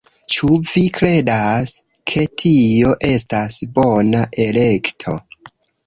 Ĉu vi kredas, ke tio estas bona elekto